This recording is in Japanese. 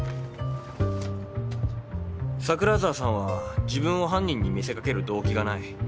桜沢さんは自分を犯人に見せかける動機がない。